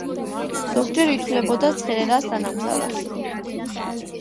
ზოგჯერ ითვლებოდა ცერერას თანამგზავრად.